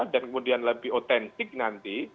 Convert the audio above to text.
dan kemudian lebih otentik nanti